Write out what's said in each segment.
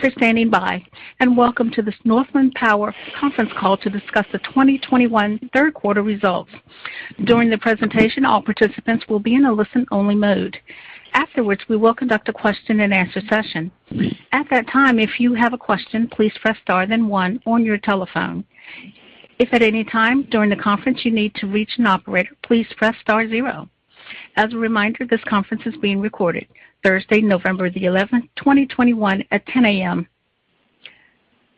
Thank you for standing by, and welcome to this Northland Power conference call to discuss the 2021 third quarter results. During the presentation, all participants will be in a listen-only mode. Afterwards, we will conduct a question-and-answer session. At that time, if you have a question, please press star then one on your telephone. If at any time during the conference you need to reach an operator, please press star zero. As a reminder, this conference is being recorded Thursday, November 11, 2021 at 10 A.M.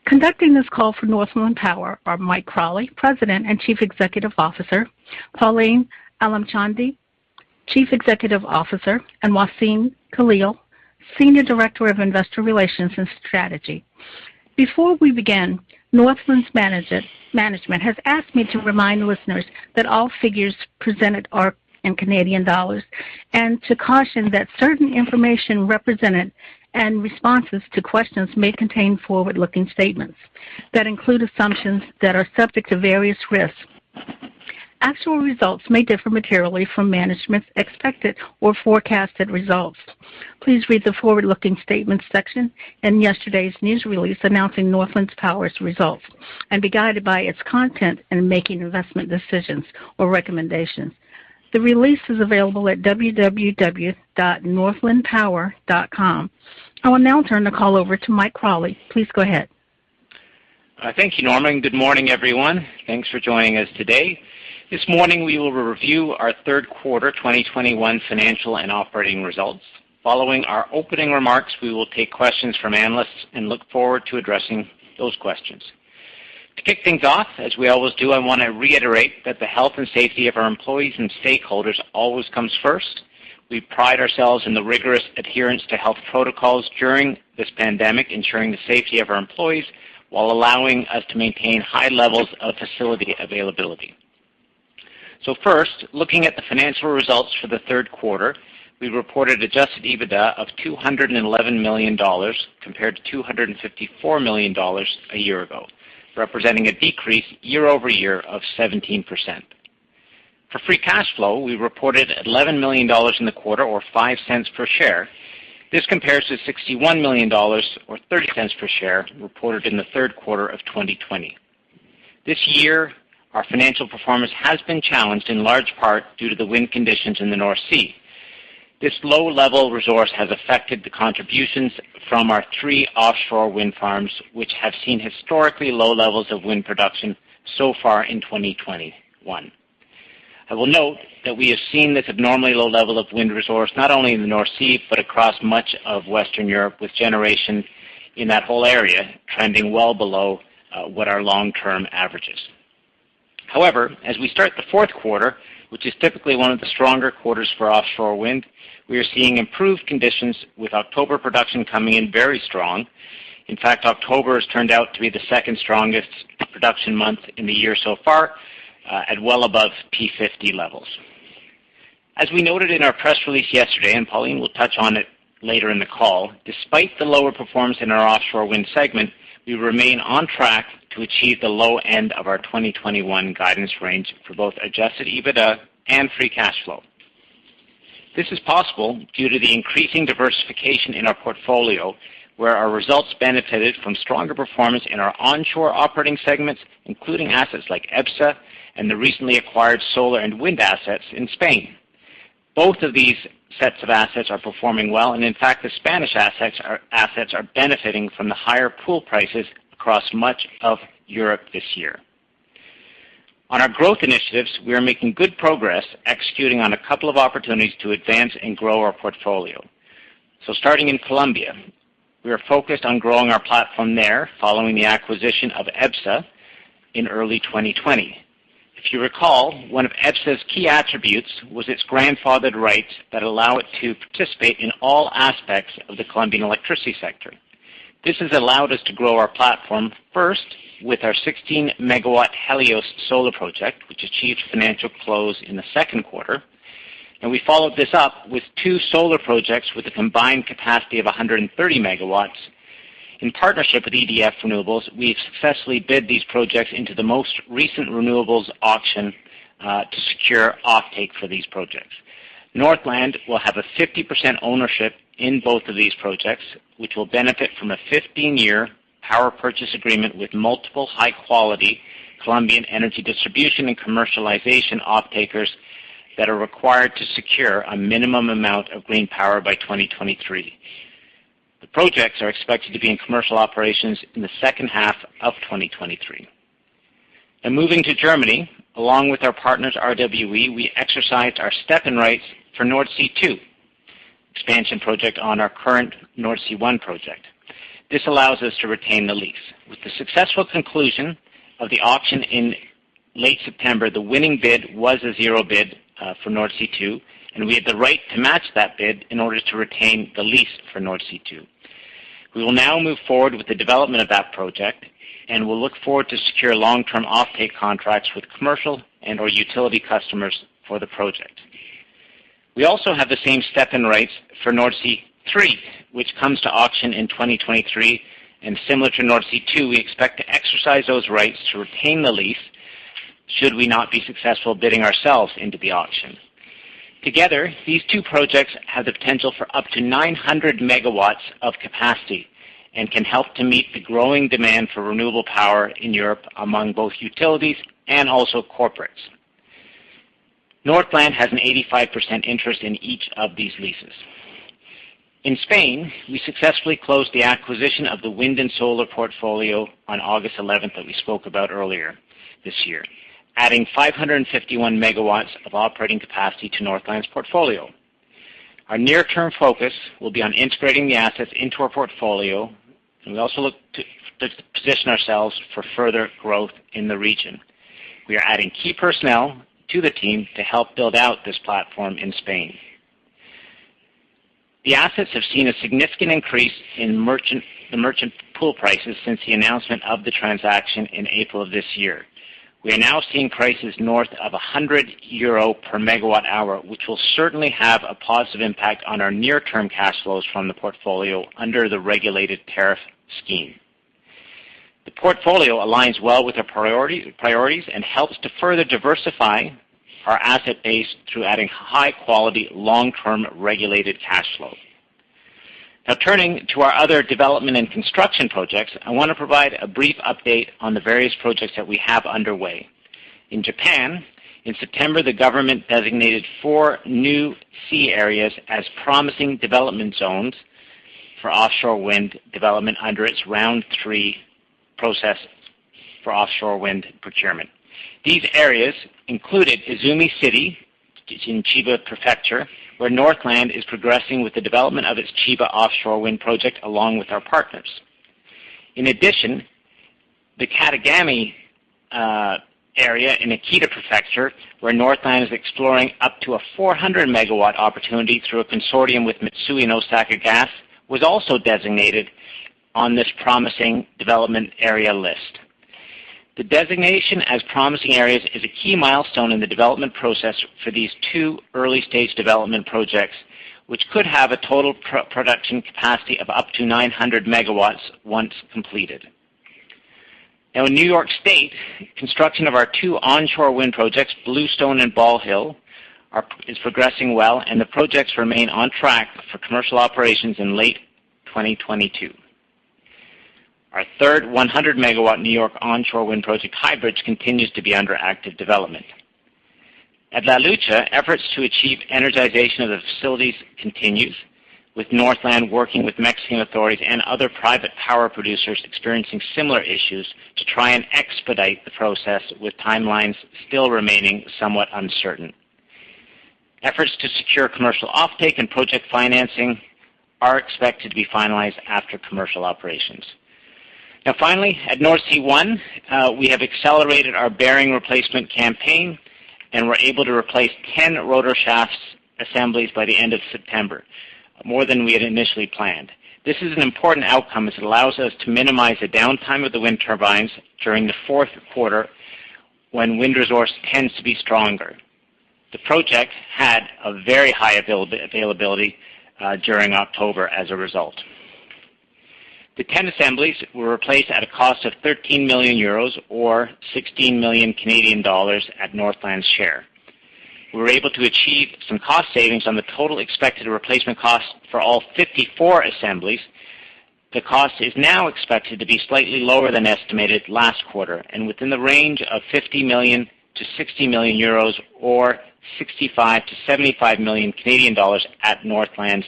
Conducting this call for Northland Power are Mike Crawley, President and Chief Executive Officer, Pauline Alimchandani, Chief Financial Officer, and Wassem Khalil, Senior Director of Investor Relations and Strategy. Before we begin, Northland's management has asked me to remind listeners that all figures presented are in Canadian dollars and to caution that certain information represented and responses to questions may contain forward-looking statements that include assumptions that are subject to various risks. Actual results may differ materially from management's expected or forecasted results. Please read the Forward-looking Statements section in yesterday's news release announcing Northland Power's results and be guided by its content in making investment decisions or recommendations. The release is available at www.northlandpower.com. I will now turn the call over to Mike Crawley. Please go ahead. Thank you, Norma. Good morning, everyone. Thanks for joining us today. This morning, we will review our third quarter 2021 financial and operating results. Following our opening remarks, we will take questions from analysts and look forward to addressing those questions. To kick things off as we always do, I wanna reiterate that the health and safety of our employees and stakeholders always comes first. We pride ourselves in the rigorous adherence to health protocols during this pandemic, ensuring the safety of our employees while allowing us to maintain high levels of facility availability. First, looking at the financial results for the third quarter, we reported adjusted EBITDA of 211 million dollars, compared to 254 million dollars a year ago, representing a decrease year-over-year of 17%. For free cash flow, we reported 11 million dollars in the quarter or 0.5 per share. This compares to 61 million dollars or 0.30 per share reported in the third quarter of 2020. This year, our financial performance has been challenged in large part due to the wind conditions in the North Sea. This low-level resource has affected the contributions from our three offshore wind farms, which have seen historically low levels of wind production so far in 2021. I will note that we have seen this abnormally low level of wind resource, not only in the North Sea, but across much of Western Europe, with generation in that whole area trending well below what our long-term average is. However, as we start the fourth quarter, which is typically one of the stronger quarters for offshore wind, we are seeing improved conditions, with October production coming in very strong. In fact, October has turned out to be the second strongest production month in the year so far, at well above P50 levels. As we noted in our press release yesterday, and Pauline will touch on it later in the call, despite the lower performance in our offshore wind segment, we remain on track to achieve the low end of our 2021 guidance range for both adjusted EBITDA and free cash flow. This is possible due to the increasing diversification in our portfolio, where our results benefited from stronger performance in our onshore operating segments, including assets like EBSA and the recently acquired solar and wind assets in Spain. Both of these sets of assets are performing well, and in fact, the Spanish assets are benefiting from the higher pool prices across much of Europe this year. On our growth initiatives, we are making good progress executing on a couple of opportunities to advance and grow our portfolio. Starting in Colombia, we are focused on growing our platform there following the acquisition of EBSA in early 2020. If you recall, one of EBSA's key attributes was its grandfathered rights that allow it to participate in all aspects of the Colombian electricity sector. This has allowed us to grow our platform first with our 16 MW Helios solar project, which achieved financial close in the second quarter. We followed this up with two solar projects with a combined capacity of 130 MW. In partnership with EDF Renewables, we have successfully bid these projects into the most recent renewables auction to secure offtake for these projects. Northland will have a 50% ownership in both of these projects, which will benefit from a 15-year power purchase agreement with multiple high-quality Colombian energy distribution and commercialization offtakers that are required to secure a minimum amount of green power by 2023. The projects are expected to be in commercial operations in the second half of 2023. Moving to Germany, along with our partners RWE, we exercised our step-in rights for Nordsee Two expansion project on our current Nordsee One project. This allows us to retain the lease. With the successful conclusion of the auction in late September, the winning bid was a zero bid for Nordsee Two, and we had the right to match that bid in order to retain the lease for Nordsee Two. We will now move forward with the development of that project, and we'll look forward to secure long-term offtake contracts with commercial and/or utility customers for the project. We also have the same step-in rights for Nordsee Three, which comes to auction in 2023. Similar to Nordsee Two, we expect to exercise those rights to retain the lease. Should we not be successful bidding ourselves into the auction. Together, these two projects have the potential for up to 900 MW of capacity and can help to meet the growing demand for renewable power in Europe among both utilities and also corporates. Northland has an 85% interest in each of these leases. In Spain, we successfully closed the acquisition of the wind and solar portfolio on August 11, that we spoke about earlier this year, adding 551 MW of operating capacity to Northland's portfolio. Our near-term focus will be on integrating the assets into our portfolio, and we also look to position ourselves for further growth in the region. We are adding key personnel to the team to help build out this platform in Spain. The assets have seen a significant increase in merchant pool prices since the announcement of the transaction in April of this year. We are now seeing prices north of 100 euro per MWh, which will certainly have a positive impact on our near-term cash flows from the portfolio under the regulated tariff scheme. The portfolio aligns well with our priorities and helps to further diversify our asset base through adding high-quality, long-term regulated cash flow. Now turning to our other development and construction projects, I want to provide a brief update on the various projects that we have underway. In Japan, in September, the government designated four new sea areas as promising development zones for offshore wind development under its round three process for offshore wind procurement. These areas included Ichihara City in Chiba Prefecture, where Northland is progressing with the development of its Chiba offshore wind project along with our partners. In addition, the Katagami area in Akita Prefecture, where Northland is exploring up to a 400 MW opportunity through a consortium with Mitsui and Osaka Gas, was also designated on this promising development area list. The designation as promising areas is a key milestone in the development process for these two early-stage development projects, which could have a total pre-production capacity of up to 900 MW once completed. Now in New York State, construction of our two onshore wind projects, Bluestone and Ball Hill, is progressing well, and the projects remain on track for commercial operations in late 2022. Our third 100 MW New York onshore wind project, High Bridge, continues to be under active development. At La Lucha, efforts to achieve energization of the facilities continues, with Northland working with Mexican authorities and other private power producers experiencing similar issues to try and expedite the process, with timelines still remaining somewhat uncertain. Efforts to secure commercial offtake and project financing are expected to be finalized after commercial operations. Now finally, at Nordsee One, we have accelerated our bearing replacement campaign, and we're able to replace 10 rotor shafts assemblies by the end of September, more than we had initially planned. This is an important outcome as it allows us to minimize the downtime of the wind turbines during the fourth quarter, when wind resource tends to be stronger. The project had a very high availability during October as a result. The 10 assemblies were replaced at a cost of 13 million euros or 16 million Canadian dollars at Northland's share. We were able to achieve some cost savings on the total expected replacement cost for all 54 assemblies. The cost is now expected to be slightly lower than estimated last quarter and within the range of 50 million-60 million euros or 65 million-75 million Canadian dollars at Northland's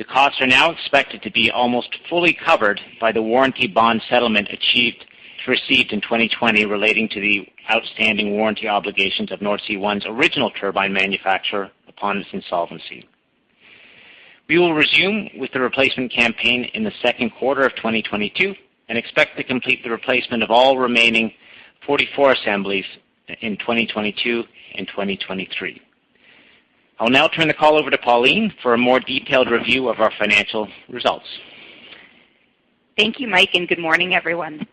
share. The costs are now expected to be almost fully covered by the warranty bond settlement achieved and received in 2020 relating to the outstanding warranty obligations of Nordsee One's original turbine manufacturer upon its insolvency. We will resume with the replacement campaign in the second quarter of 2022 and expect to complete the replacement of all remaining 44 assemblies in 2022 and 2023. I'll now turn the call over to Pauline for a more detailed review of our financial results. Thank you, Mike, and good morning, everyone.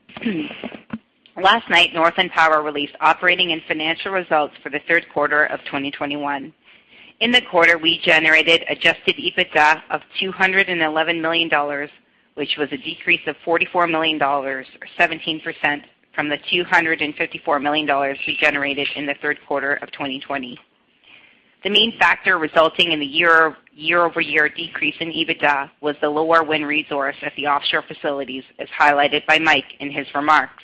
Last night, Northland Power released operating and financial results for the third quarter of 2021. In the quarter, we generated adjusted EBITDA of 211 million dollars, which was a decrease of 44 million dollars or 17% from the 254 million dollars we generated in the third quarter of 2020. The main factor resulting in the year-over-year decrease in EBITDA was the lower wind resource at the offshore facilities, as highlighted by Mike in his remarks.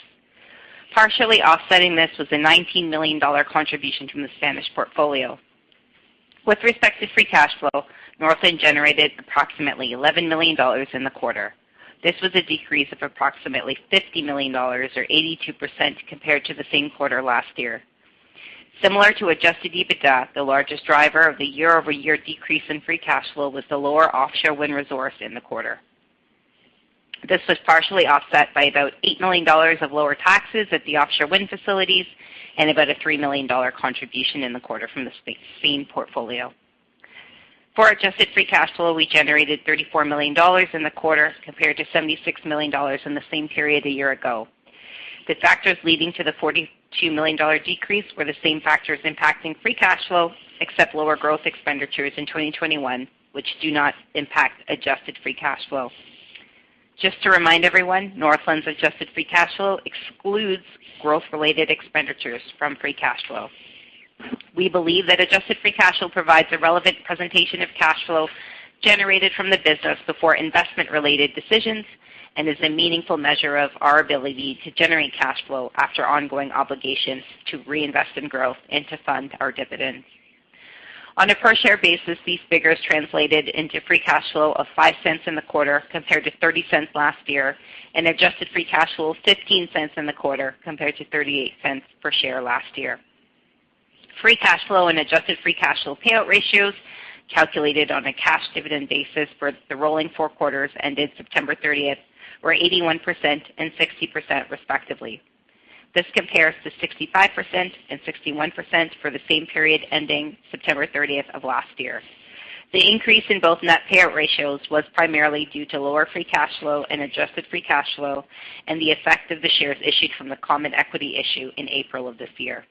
Partially offsetting this was a 19 million dollar contribution from the Spanish portfolio. With respect to free cash flow, Northland generated approximately 11 million dollars in the quarter. This was a decrease of approximately 50 million dollars or 82% compared to the same quarter last year. Similar to adjusted EBITDA, the largest driver of the year-over-year decrease in free cash flow was the lower offshore wind resource in the quarter. This was partially offset by about 8 million dollars of lower taxes at the offshore wind facilities and about a 3 million dollar contribution in the quarter from the Spain portfolio. For adjusted free cash flow, we generated 34 million dollars in the quarter compared to 76 million dollars in the same period a year ago. The factors leading to the 42 million dollar decrease were the same factors impacting free cash flow, except lower growth expenditures in 2021, which do not impact adjusted free cash flow. Just to remind everyone, Northland's adjusted free cash flow excludes growth-related expenditures from free cash flow. We believe that adjusted free cash flow provides a relevant presentation of cash flow generated from the business before investment-related decisions and is a meaningful measure of our ability to generate cash flow after ongoing obligations to reinvest in growth and to fund our dividends. On a per share basis, these figures translated into free cash flow of 0.05 in the quarter compared to 0.30 last year, and adjusted free cash flow of 0.15 in the quarter compared to 0.38 per share last year. Free cash flow and adjusted free cash flow payout ratios calculated on a cash dividend basis for the rolling four quarters ended September 30th were 81% and 60%, respectively. This compares to 65% and 61% for the same period ending September 30th of last year. The increase in both net payout ratios was primarily due to lower free cash flow and adjusted free cash flow and the effect of the shares issued from the common equity issue in April of this year.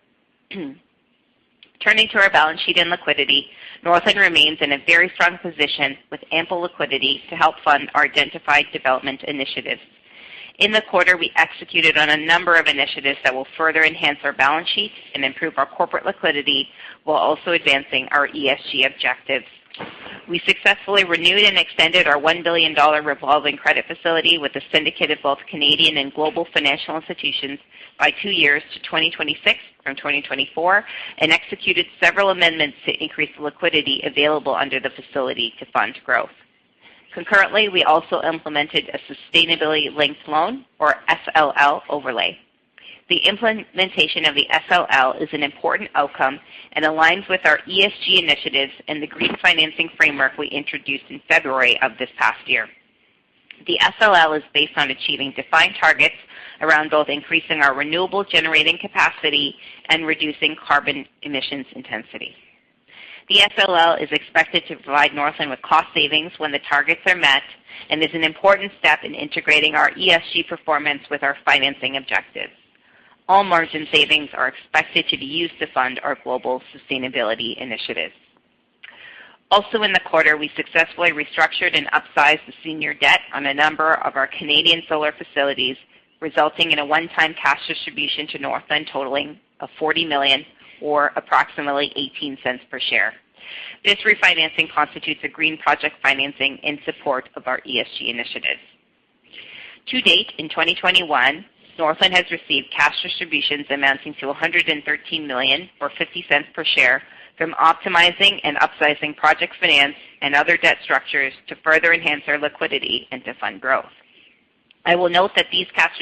Turning to our balance sheet and liquidity, Northland remains in a very strong position with ample liquidity to help fund our identified development initiatives. In the quarter, we executed on a number of initiatives that will further enhance our balance sheet and improve our corporate liquidity while also advancing our ESG objectives. We successfully renewed and extended our 1 billion dollar revolving credit facility with a syndicate of both Canadian and global financial institutions by 2 years to 2026 from 2024, and executed several amendments to increase the liquidity available under the facility to fund growth. Concurrently, we also implemented a sustainability linked loan or SLL overlay. The implementation of the SLL is an important outcome and aligns with our ESG initiatives and the green financing framework we introduced in February of this past year. The SLL is based on achieving defined targets around both increasing our renewable generating capacity and reducing carbon emissions intensity. The SLL is expected to provide Northland with cost savings when the targets are met, and is an important step in integrating our ESG performance with our financing objectives. All margin savings are expected to be used to fund our global sustainability initiatives. Also in the quarter, we successfully restructured and upsized the senior debt on a number of our Canadian solar facilities, resulting in a one-time cash distribution to Northland totaling 40 million or approximately 0.18 per share. This refinancing constitutes a green project financing in support of our ESG initiatives. To date, in 2021, Northland has received cash distributions amounting to 113 million or 0.50 per share from optimizing and upsizing project finance and other debt structures to further enhance our liquidity and to fund growth. I will note that these cash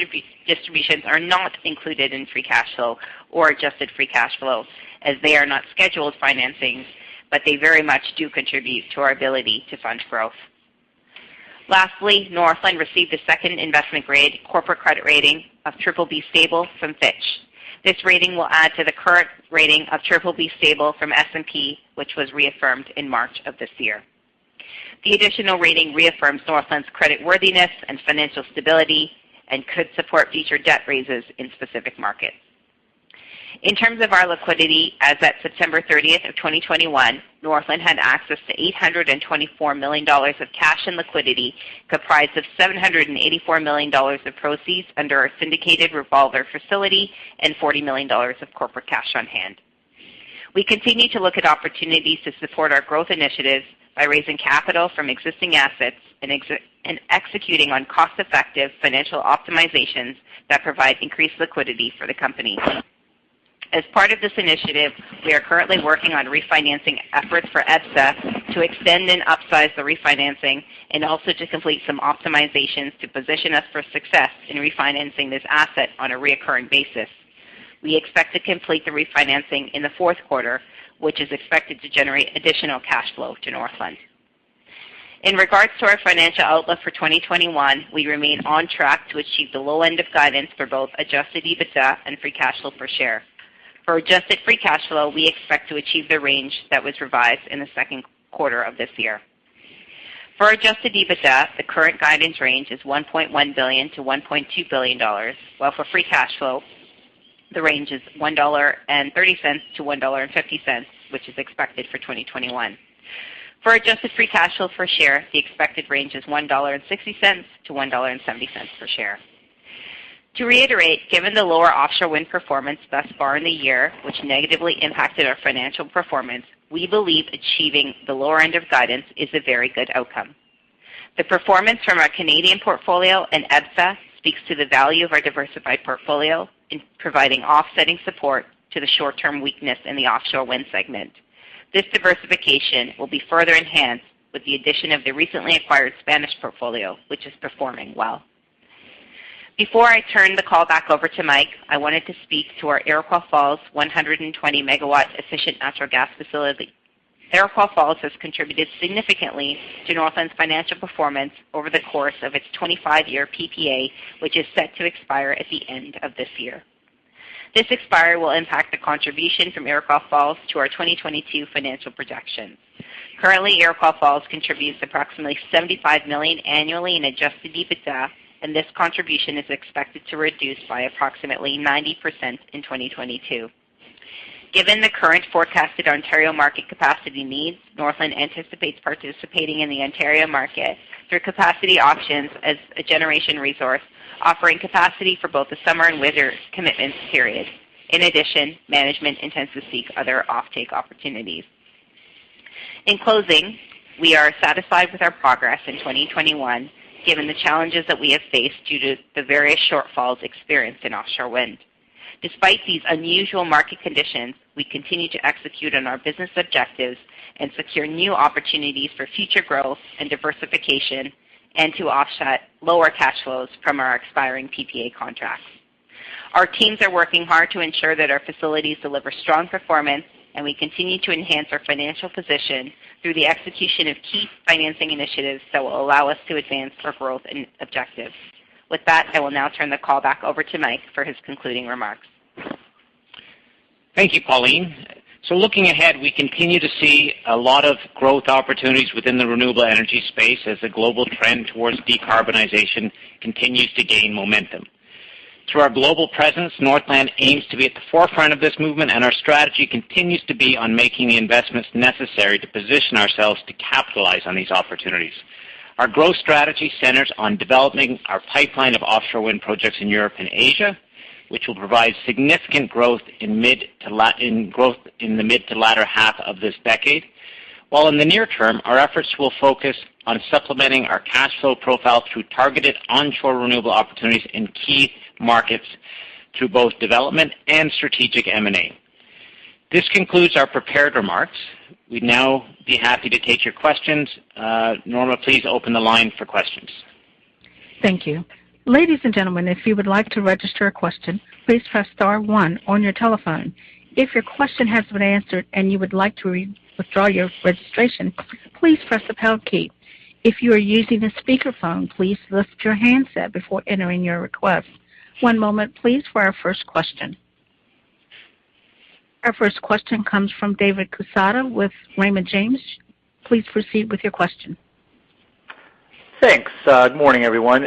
distributions are not included in free cash flow or adjusted free cash flow as they are not scheduled financings, but they very much do contribute to our ability to fund growth. Lastly, Northland received a second investment-grade corporate credit rating of BBB stable from Fitch. This rating will add to the current rating of BBB stable from S&P, which was reaffirmed in March of this year. The additional rating reaffirms Northland's creditworthiness and financial stability and could support future debt raises in specific markets. In terms of our liquidity as at September 30th, 2021, Northland had access to 824 million dollars of cash and liquidity, comprised of 784 million dollars of proceeds under our syndicated revolver facility and 40 million dollars of corporate cash on hand. We continue to look at opportunities to support our growth initiatives by raising capital from existing assets and executing on cost-effective financial optimizations that provide increased liquidity for the company. As part of this initiative, we are currently working on refinancing efforts for EBSA to extend and upsize the refinancing, and also to complete some optimizations to position us for success in refinancing this asset on a recurring basis. We expect to complete the refinancing in the fourth quarter, which is expected to generate additional cash flow to Northland. In regards to our financial outlook for 2021, we remain on track to achieve the low end of guidance for both adjusted EBITDA and free cash flow per share. For adjusted free cash flow, we expect to achieve the range that was revised in the second quarter of this year. For adjusted EBITDA, the current guidance range is 1.1 billion-1.2 billion dollars, while for free cash flow, the range is 1.30-1.50 dollar, which is expected for 2021. For adjusted free cash flow per share, the expected range is 1.60-1.70 dollar per share. To reiterate, given the lower offshore wind performance thus far in the year, which negatively impacted our financial performance, we believe achieving the lower end of guidance is a very good outcome. The performance from our Canadian portfolio and EBSA speaks to the value of our diversified portfolio in providing offsetting support to the short-term weakness in the offshore wind segment. This diversification will be further enhanced with the addition of the recently acquired Spanish portfolio, which is performing well. Before I turn the call back over to Mike, I wanted to speak to our Iroquois Falls 120 MW efficient natural gas facility. Iroquois Falls has contributed significantly to Northland's financial performance over the course of its 25-year PPA, which is set to expire at the end of this year. This expiry will impact the contribution from Iroquois Falls to our 2022 financial projections. Currently, Iroquois Falls contributes approximately 75 million annually in adjusted EBITDA, and this contribution is expected to reduce by approximately 90% in 2022. Given the current forecasted Ontario market capacity needs, Northland anticipates participating in the Ontario market through capacity options as a generation resource, offering capacity for both the summer and winter commitment periods. In addition, management intends to seek other offtake opportunities. In closing, we are satisfied with our progress in 2021, given the challenges that we have faced due to the various shortfalls experienced in offshore wind. Despite these unusual market conditions, we continue to execute on our business objectives and secure new opportunities for future growth and diversification, and to offset lower cash flows from our expiring PPA contracts. Our teams are working hard to ensure that our facilities deliver strong performance, and we continue to enhance our financial position through the execution of key financing initiatives that will allow us to advance our growth and objectives. With that, I will now turn the call back over to Mike for his concluding remarks. Thank you, Pauline. Looking ahead, we continue to see a lot of growth opportunities within the renewable energy space as the global trend towards decarbonization continues to gain momentum. Through our global presence, Northland aims to be at the forefront of this movement, and our strategy continues to be on making the investments necessary to position ourselves to capitalize on these opportunities. Our growth strategy centers on developing our pipeline of offshore wind projects in Europe and Asia, which will provide significant growth in the mid to latter half of this decade. While in the near term, our efforts will focus on supplementing our cash flow profile through targeted onshore renewable opportunities in key markets through both development and strategic M&A. This concludes our prepared remarks. We'd now be happy to take your questions. Norma, please open the line for questions. Thank you. Ladies and gentlemen, if you would like to register a question, please press star one on your telephone. If your question has been answered and you would like to re-withdraw your registration, please press the pound key. If you are using a speakerphone, please lift your handset before entering your request. One moment, please, for our first question. Our first question comes from David Quezada with Raymond James. Please proceed with your question. Thanks. Good morning, everyone.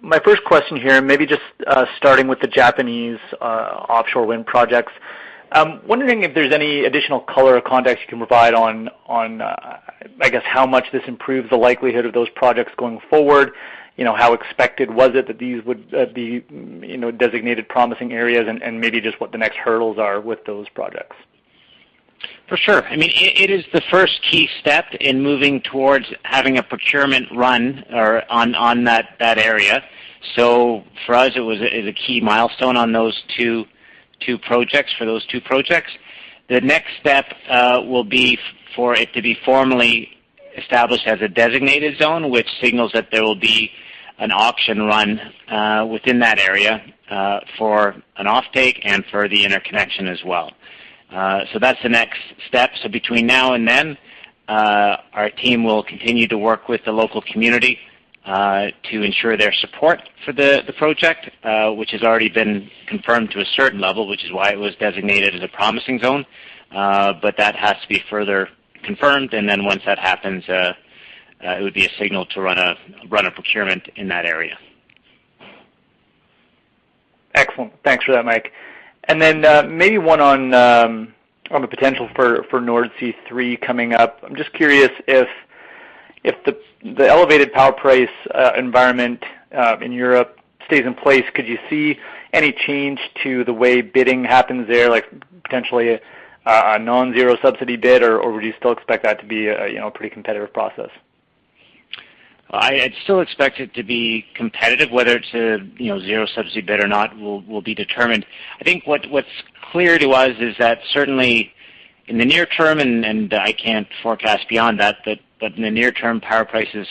My first question here, maybe just starting with the Japanese offshore wind projects. Wondering if there's any additional color or context you can provide on, I guess how much this improves the likelihood of those projects going forward. You know, how expected was it that these would be designated promising areas? Maybe just what the next hurdles are with those projects. For sure. I mean, it is the first key step in moving towards having a procurement run or on that area. For us, it is a key milestone for those two projects. The next step will be for it to be formally established as a designated zone, which signals that there will be an auction run within that area for an offtake and for the interconnection as well. That's the next step. Between now and then, our team will continue to work with the local community to ensure their support for the project, which has already been confirmed to a certain level, which is why it was designated as a promising zone. That has to be further confirmed, and then once that happens, it would be a signal to run a procurement in that area. Excellent. Thanks for that, Mike. Maybe one on the potential for Nordsee Three coming up. I'm just curious if the elevated power price environment in Europe stays in place, could you see any change to the way bidding happens there, like potentially a non-zero subsidy bid, or would you still expect that to be a you know, pretty competitive process? I'd still expect it to be competitive. Whether it's a you know zero subsidy bid or not will be determined. I think what's clear to us is that certainly in the near term and I can't forecast beyond that but in the near term power prices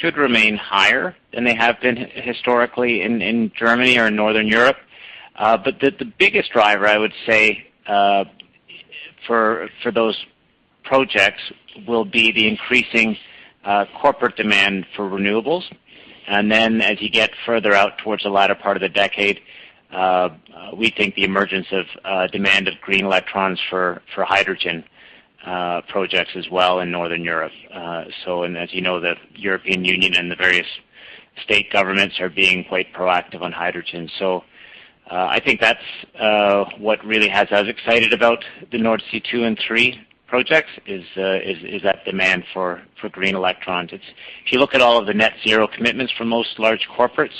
should remain higher than they have been historically in Germany or in Northern Europe. But the biggest driver I would say for those projects will be the increasing corporate demand for renewables. As you get further out towards the latter part of the decade we think the emergence of demand for green electrons for hydrogen projects as well in Northern Europe. As you know the European Union and the various state governments are being quite proactive on hydrogen. I think that's what really has us excited about the Nordsee Two and Three projects is that demand for green electrons. If you look at all of the net zero commitments from most large corporates,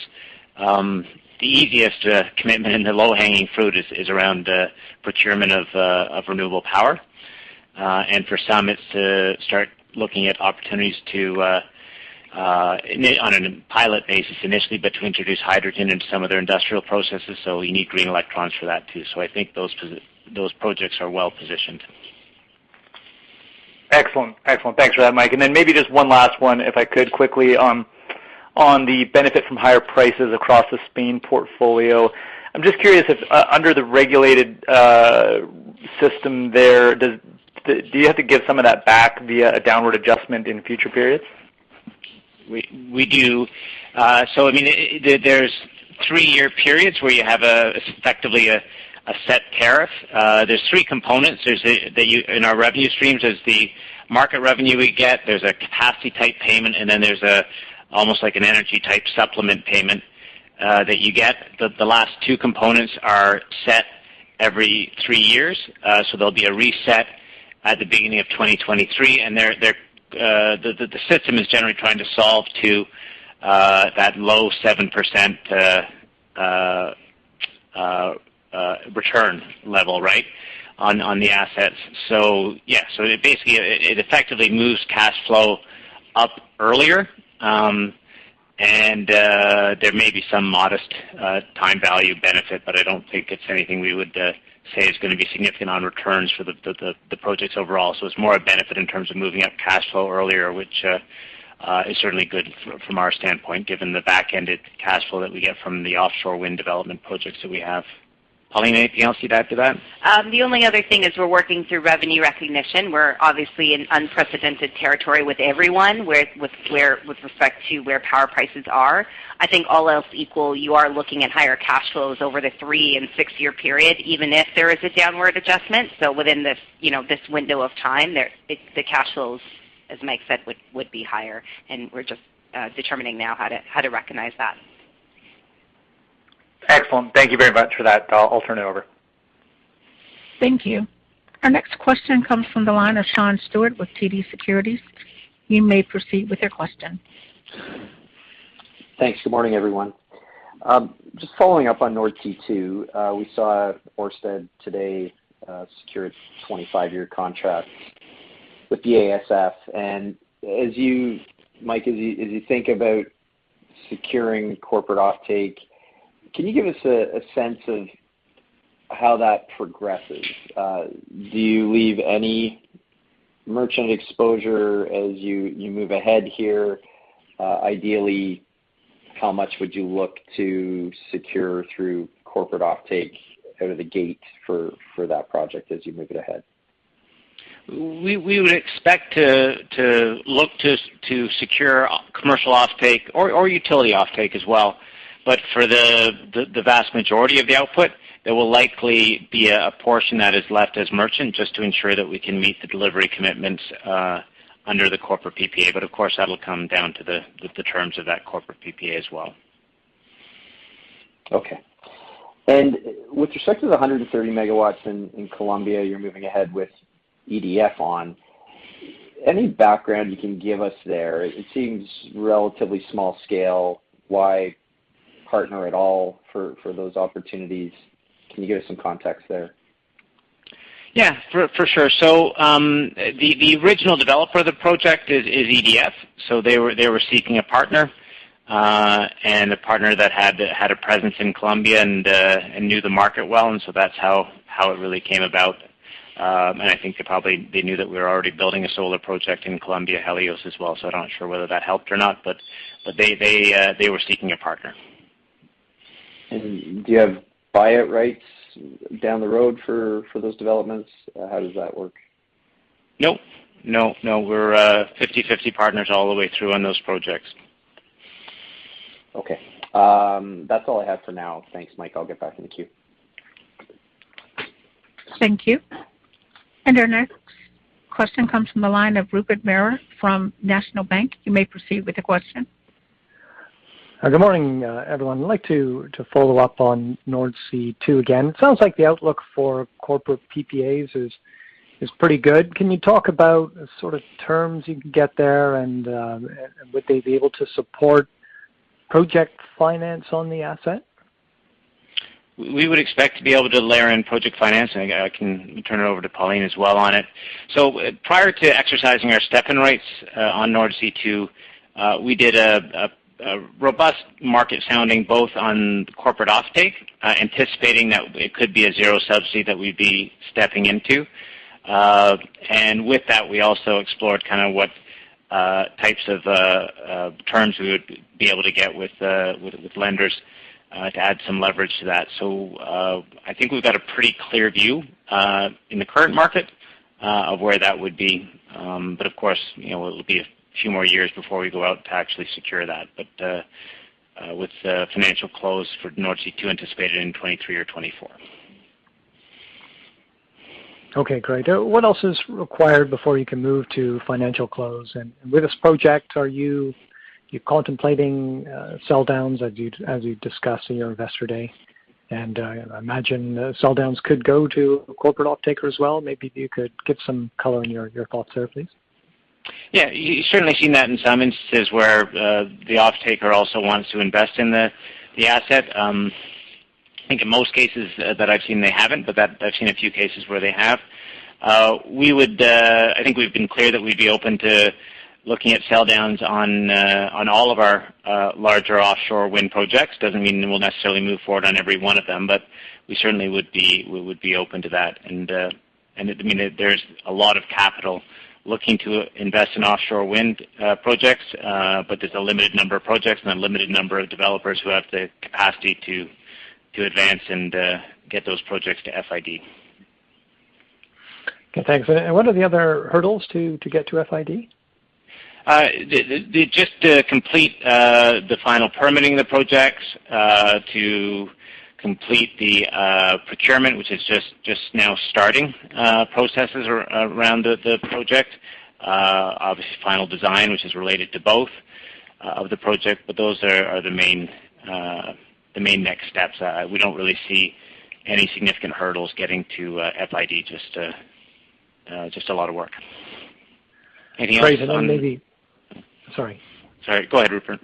the easiest commitment and the low-hanging fruit is around procurement of renewable power. For some, it's to start looking at opportunities to on a pilot basis initially, but to introduce hydrogen into some of their industrial processes. We need green electrons for that too. I think those projects are well-positioned. Excellent. Thanks for that, Mike. Then maybe just one last one, if I could quickly on the benefit from higher prices across the Spain portfolio. I'm just curious if under the regulated system there, do you have to give some of that back via a downward adjustment in future periods? We do. I mean, there's three-year periods where you have effectively a set tariff. There's three components. In our revenue streams, there's the market revenue we get, there's a capacity-type payment, and then there's an almost like an energy-type supplement payment that you get. The last two components are set every three years. There'll be a reset at the beginning of 2023. The system is generally trying to solve to that low 7% return level, right, on the assets. Yeah, it basically effectively moves cash flow up earlier. There may be some modest time value benefit, but I don't think it's anything we would say is gonna be significant on returns for the projects overall. It's more a benefit in terms of moving up cash flow earlier, which is certainly good from our standpoint, given the back-ended cash flow that we get from the offshore wind development projects that we have. Pauline, anything else you'd add to that? The only other thing is we're working through revenue recognition. We're obviously in unprecedented territory with respect to where power prices are. I think all else equal, you are looking at higher cash flows over the three- and six-year period, even if there is a downward adjustment. Within this, you know, this window of time there, the cash flows, as Mike said, would be higher, and we're just determining now how to recognize that. Excellent. Thank you very much for that. I'll turn it over. Thank you. Our next question comes from the line of Sean Steuart with TD Securities. You may proceed with your question. Thanks. Good morning, everyone. Just following up on Nordsee Two. We saw Ørsted today secure its 25-year contract with the BASF. As you, Mike, think about securing corporate offtake, can you give us a sense of how that progresses? Do you leave any merchant exposure as you move ahead here? Ideally, how much would you look to secure through corporate offtake out of the gate for that project as you move it ahead? We would expect to look to secure commercial offtake or utility offtake as well. For the vast majority of the output, there will likely be a portion that is left as merchant just to ensure that we can meet the delivery commitments under the corporate PPA. Of course, that'll come down to the terms of that corporate PPA as well. Okay. With respect to the 130 MW in Colombia you're moving ahead with EDF on, any background you can give us there? It seems relatively small scale. Why partner at all for those opportunities? Can you give us some context there? Yeah, for sure. The original developer of the project is EDF. They were seeking a partner, and a partner that had a presence in Colombia and knew the market well. That's how it really came about. I think they probably knew that we were already building a solar project in Colombia, Helios as well. I'm not sure whether that helped or not, but they were seeking a partner. Do you have buyout rights down the road for those developments? How does that work? Nope. No, no. We're 50/50 partners all the way through on those projects. Okay. That's all I have for now. Thanks, Mike. I'll get back in the queue. Thank you. Our next question comes from the line of Rupert Merer from National Bank. You may proceed with the question. Good morning, everyone. I'd like to follow up on Nordsee Two again. It sounds like the outlook for corporate PPAs is pretty good. Can you talk about the sort of terms you can get there and would they be able to support project finance on the asset? We would expect to be able to layer in project financing. I can turn it over to Pauline as well on it. Prior to exercising our step-in rights on Nordsee Two, we did a robust market sounding both on corporate offtake, anticipating that it could be a zero subsidy that we'd be stepping into. And with that, we also explored kind of what types of terms we would be able to get with lenders to add some leverage to that. I think we've got a pretty clear view in the current market of where that would be. But of course, you know, it'll be a few more years before we go out to actually secure that. with the financial close for Nordsee Two anticipated in 2023 or 2024. Okay, great. What else is required before you can move to financial close? With this project, are you contemplating sell downs as you discussed in your Investor Day? I imagine sell downs could go to a corporate offtaker as well. Maybe you could give some color on your thoughts there, please. Yeah. You've certainly seen that in some instances where the offtaker also wants to invest in the asset. I think in most cases that I've seen they haven't, but I've seen a few cases where they have. I think we've been clear that we'd be open to looking at sell downs on all of our larger offshore wind projects. Doesn't mean we'll necessarily move forward on every one of them, but we certainly would be open to that. I mean, there's a lot of capital looking to invest in offshore wind projects, but there's a limited number of projects and a limited number of developers who have the capacity to advance and get those projects to FID. Okay, thanks. What are the other hurdles to get to FID? Just to complete the final permitting the projects, to complete the procurement, which is just now starting, processes around the project. Obviously final design, which is related to both of the project, but those are the main next steps. We don't really see any significant hurdles getting to FID. Just a lot of work. Anything else on- Sorry. Sorry. Go ahead, Rupert.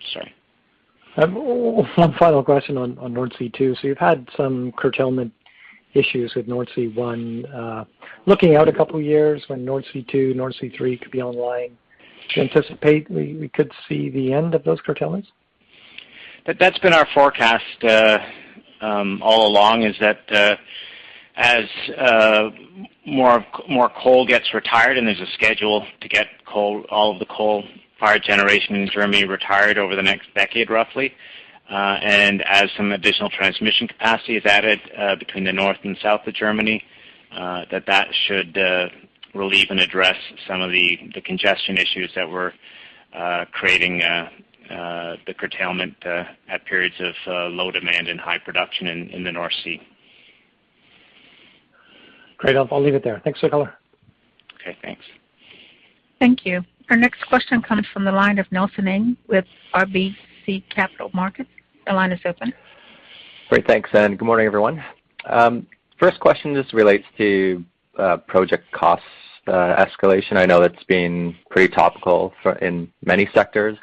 Sorry. One final question on Nordsee Two. You've had some curtailment issues with Nordsee One. Looking out a couple years when Nordsee Two, Nordsee Three could be online. Sure. Do you anticipate we could see the end of those curtailments? That's been our forecast all along, is that as more coal gets retired, and there's a schedule to get all of the coal-fired generation in Germany retired over the next decade, roughly. As some additional transmission capacity is added between the north and south of Germany, that should relieve and address some of the congestion issues that we're creating, the curtailment at periods of low demand and high production in the North Sea. Great. I'll leave it there. Thanks for the call. Okay, thanks. Thank you. Our next question comes from the line of Nelson Ng with RBC Capital Markets. Your line is open. Great. Thanks, and good morning, everyone. First question just relates to project costs escalation. I know that's been pretty topical for many sectors.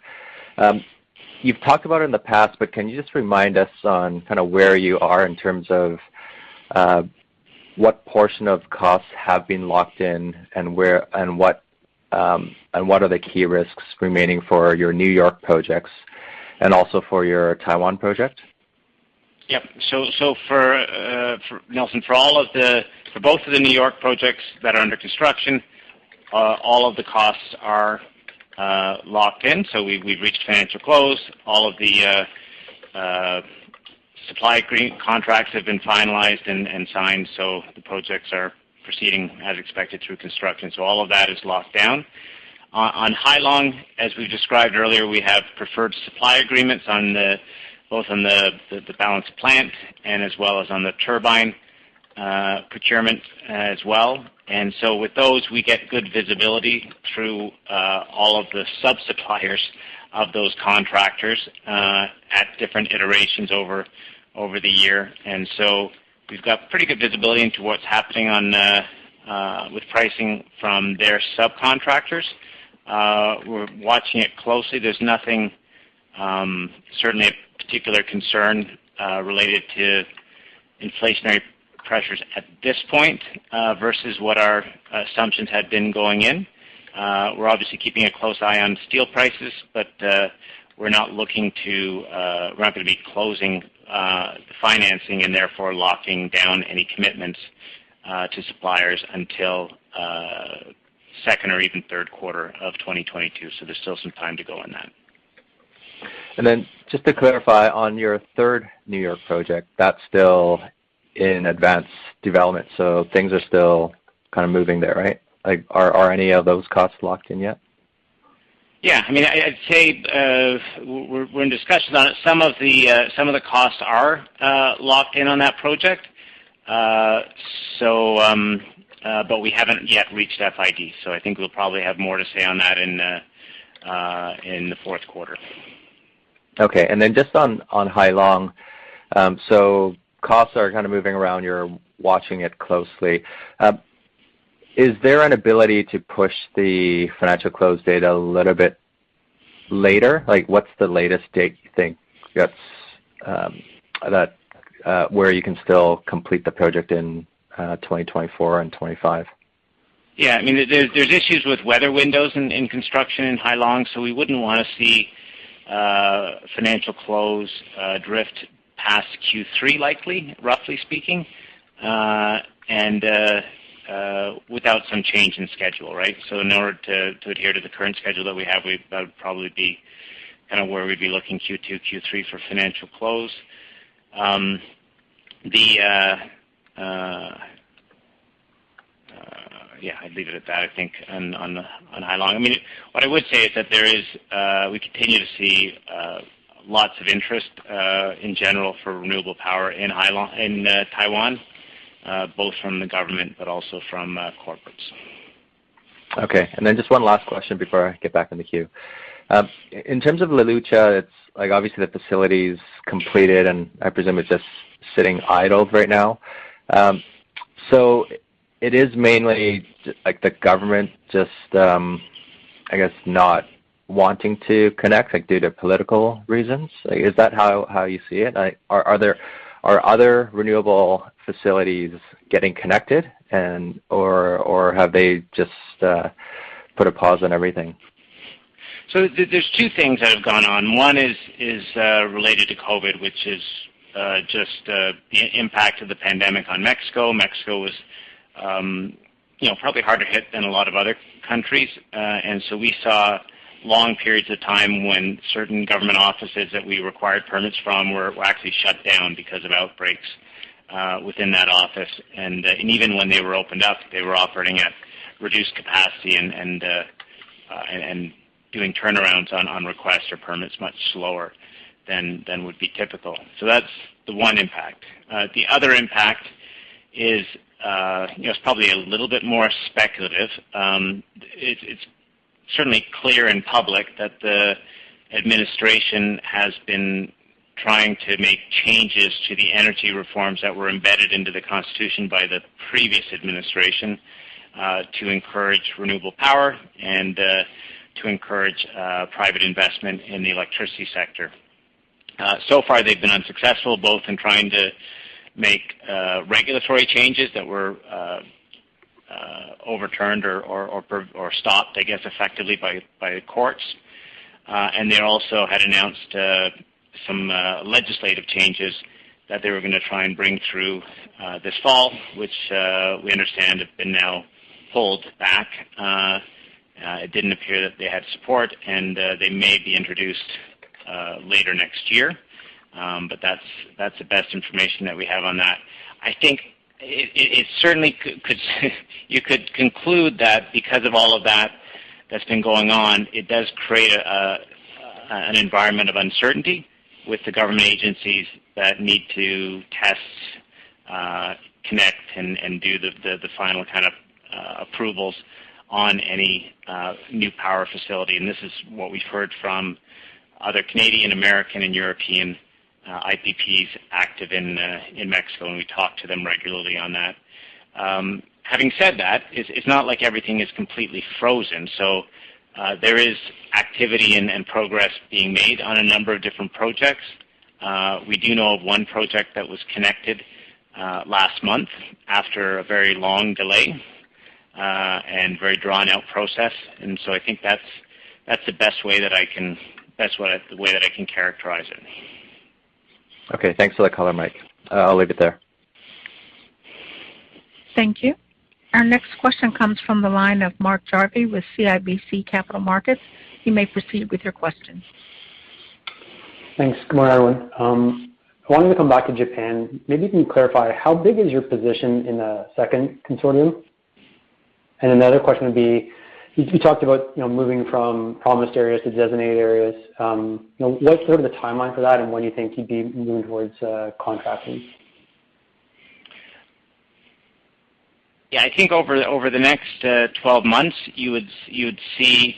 You've talked about it in the past, but can you just remind us on kinda where you are in terms of what portion of costs have been locked in, and where and what are the key risks remaining for your New York projects and also for your Taiwan project? Nelson, for both of the New York projects that are under construction, all of the costs are locked in, so we've reached financial close. All of the supply chain contracts have been finalized and signed, so the projects are proceeding as expected through construction. All of that is locked down. On Hai Long, as we've described earlier, we have preferred supply agreements both on the balance of plant and as well as on the turbine procurement as well. With those, we get good visibility through all of the sub-suppliers of those contractors at different iterations over the year. We've got pretty good visibility into what's happening with pricing from their subcontractors. We're watching it closely. There's nothing certainly of particular concern related to inflationary pressures at this point versus what our assumptions had been going in. We're obviously keeping a close eye on steel prices, but we're not gonna be closing the financing and therefore locking down any commitments to suppliers until second or even third quarter of 2022. There's still some time to go on that. Just to clarify, on your third New York project, that's still in advanced development, so things are still kind of moving there, right? Like, are any of those costs locked in yet? Yeah. I mean, I'd say we're in discussions on it. Some of the costs are locked in on that project. We haven't yet reached FID. I think we'll probably have more to say on that in the fourth quarter. Okay. Just on Hai Long, costs are kinda moving around. You're watching it closely. Is there an ability to push the financial close date a little bit later? Like, what's the latest date you think that's where you can still complete the project in 2024 and 2025? Yeah. I mean, there's issues with weather windows in construction in Hai Long, so we wouldn't wanna see financial close drift past Q3 likely, roughly speaking. Without some change in schedule, right? In order to adhere to the current schedule that we have, that would probably be kind of where we'd be looking Q2, Q3 for financial close. Yeah, I'd leave it at that, I think, on Hai Long. I mean, what I would say is we continue to see lots of interest in general for renewable power in Hai Long in Taiwan, both from the government but also from corporates. Okay. Just one last question before I get back in the queue. In terms of La Lucha, it's, like, obviously the facility's completed, and I presume it's just sitting idle right now. So it is mainly just, like, the government just, I guess, not wanting to connect, like, due to political reasons? Like, is that how you see it? Like, are there other renewable facilities getting connected and or have they just put a pause on everything? There are two things that have gone on. One is related to COVID, which is just the impact of the pandemic on Mexico. Mexico was you know probably harder hit than a lot of other countries. We saw long periods of time when certain government offices that we required permits from were actually shut down because of outbreaks within that office. Even when they were opened up, they were operating at reduced capacity and doing turnarounds on requests or permits much slower than would be typical. That's the one impact. The other impact is you know it's probably a little bit more speculative. It's certainly clear and public that the administration has been trying to make changes to the energy reforms that were embedded into the Constitution by the previous administration to encourage renewable power and to encourage private investment in the electricity sector. So far they've been unsuccessful, both in trying to make regulatory changes that were overturned or stopped, I guess, effectively by the courts. They also had announced some legislative changes that they were gonna try and bring through this fall, which we understand have been now pulled back. It didn't appear that they had support, and they may be introduced later next year. That's the best information that we have on that. I think it certainly could. You could conclude that because of all of that that's been going on, it does create an environment of uncertainty with the government agencies that need to test, connect, and do the final kind of approvals on any new power facility. This is what we've heard from other Canadian, American, and European IPPs active in Mexico, and we talk to them regularly on that. Having said that, it's not like everything is completely frozen. There is activity and progress being made on a number of different projects. We do know of one project that was connected last month after a very long delay and very drawn-out process. I think that's the best way that I can. Best way, the way that I can characterize it. Okay, thanks for the color, Mike. I'll leave it there. Thank you. Our next question comes from the line of Mark Jarvi with CIBC Capital Markets. You may proceed with your question. Thanks. Good morning, everyone. I wanted to come back to Japan. Maybe you can clarify, how big is your position in the second consortium? Another question would be, you talked about, you know, moving from promising areas to designated areas. You know, what's sort of the timeline for that, and when do you think you'd be moving towards contracting? I think over the next 12 months, you would see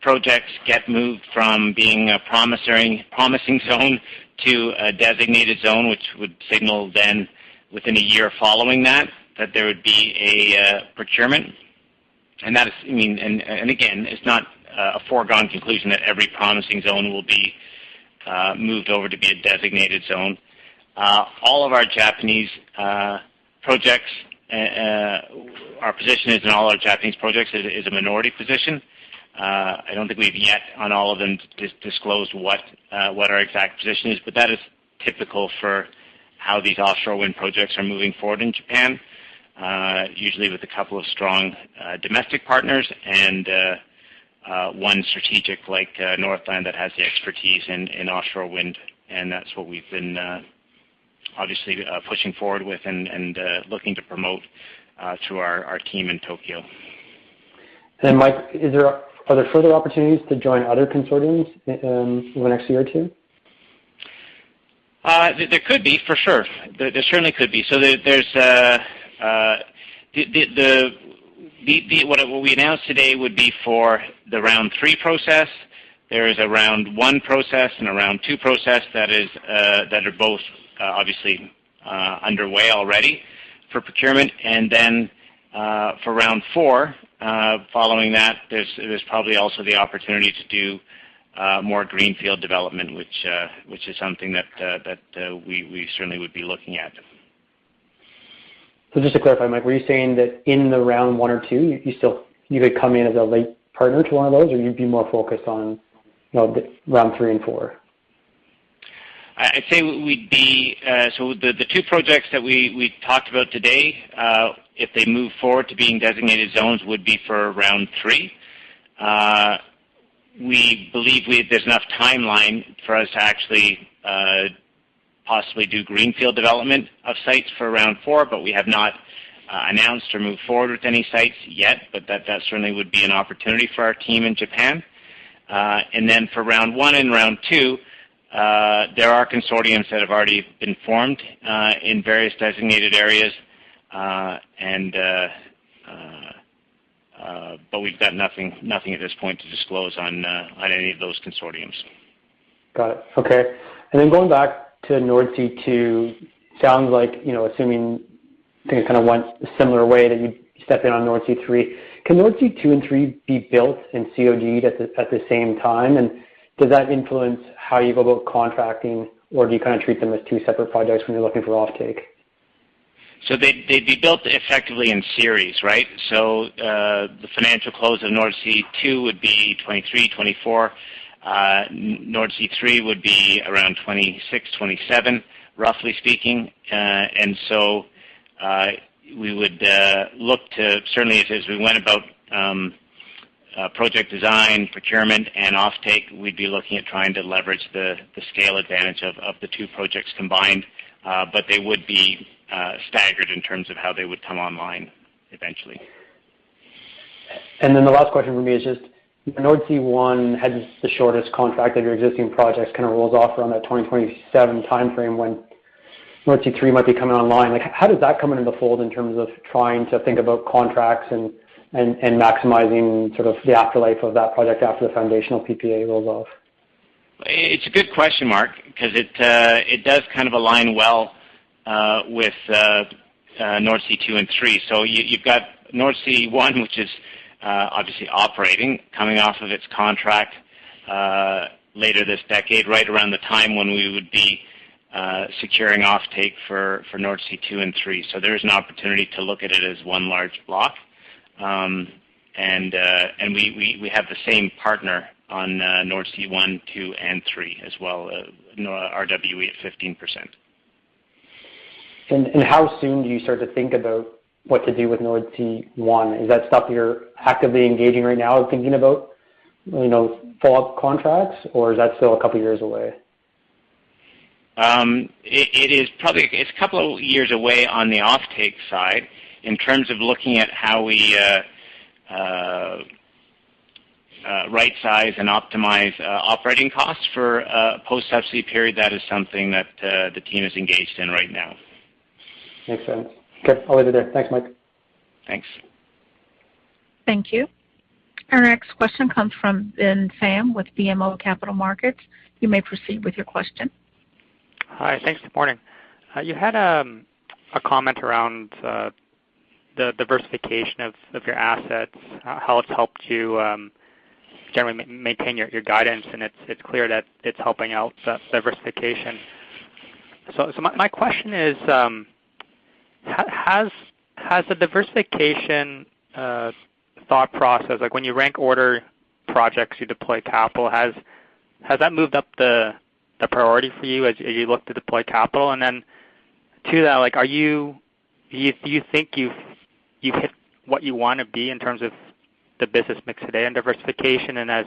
projects get moved from being a promising zone to a designated zone, which would signal then within a year following that there would be a procurement. That is, I mean, again, it's not a foregone conclusion that every promising zone will be moved over to be a designated zone. All of our Japanese projects, our position in all our Japanese projects is a minority position. I don't think we have yet on all of them disclosed what our exact position is, but that is typical for how these offshore wind projects are moving forward in Japan. Usually with a couple of strong domestic partners and one strategic like Northland that has the expertise in offshore wind, and that's what we've been obviously pushing forward with and looking to promote through our team in Tokyo. Mike, are there further opportunities to join other consortiums in the next year or two? There could be, for sure. There certainly could be. What we announced today would be for the round three process. There is a round one process and a round two process that are both obviously underway already for procurement. For round four, following that, there's probably also the opportunity to do more greenfield development, which is something that we certainly would be looking at. Just to clarify, Mike, were you saying that in the round one or two, you still could come in as a late partner to one of those, or you'd be more focused on, you know, the round three and four? I'd say the two projects that we talked about today, if they move forward to being designated zones, would be for round three. We believe there's enough timeline for us to actually possibly do greenfield development of sites for round four, but we have not announced or moved forward with any sites yet. That certainly would be an opportunity for our team in Japan. For round one and round two, there are consortiums that have already been formed in various designated areas. We've got nothing at this point to disclose on any of those consortiums. Got it. Okay. Going back to Nordsee Two, sounds like, you know, assuming things kind of went a similar way that you stepped in on Nordsee Three. Can Nordsee Two and Three be built and CODed at the same time? Does that influence how you go about contracting, or do you kind of treat them as two separate projects when you're looking for offtake? They'd be built effectively in series, right? The financial close of Nordsee Two would be 2023, 2024. Nordsee Three would be around 2026, 2027, roughly speaking. We would look to certainly as we went about project design, procurement, and offtake. We'd be looking at trying to leverage the scale advantage of the two projects combined. They would be staggered in terms of how they would come online eventually. Then the last question from me is just, Nordsee One has the shortest contract of your existing projects, kind of rolls off around that 2027 timeframe when Nordsee Three might be coming online. Like, how does that come into the fold in terms of trying to think about contracts and maximizing sort of the afterlife of that project after the foundational PPA rolls off? It's a good question, Mark, because it does kind of align well with Nordsee Two and Three. You've got Nordsee One, which is obviously operating, coming off of its contract later this decade, right around the time when we would be securing offtake for Nordsee Two and Three. There is an opportunity to look at it as one large block. We have the same partner on Nordsee One, Two, and Three as well, RWE at 15%. How soon do you start to think about what to do with Nordsee One? Is that stuff you're actively engaging right now and thinking about, you know, follow-up contracts, or is that still a couple years away? It is probably a couple of years away on the offtake side. In terms of looking at how we right size and optimize operating costs for a post-subsea period, that is something that the team is engaged in right now. Makes sense. Okay. I'll leave it there. Thanks, Mike. Thanks. Thank you. Our next question comes from Ben Pham with BMO Capital Markets. You may proceed with your question. Hi. Thanks. Good morning. You had a comment around the diversification of your assets, how it's helped you generally maintain your guidance, and it's clear that it's helping out, that diversification. My question is, has the diversification thought process, like when you rank order projects, you deploy capital, has that moved up the priority for you as you look to deploy capital? To that, like, do you think you've hit what you want to be in terms of the business mix today and diversification, and as